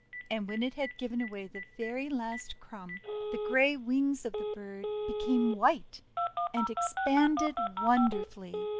And when it had given away the very last crumb, the grey wings of the bird became white, and expanded wonderfully.